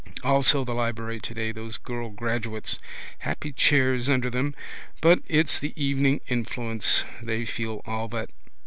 Also the library today: those girl graduates. Happy chairs under them. But it's the evening influence. They feel all that.